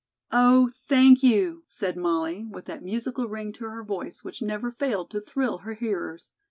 "Oh, thank you," said Molly, with that musical ring to her voice which never failed to thrill her hearers.